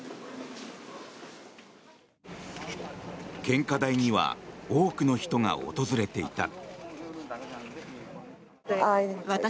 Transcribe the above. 献花台には多くの人が訪れていた。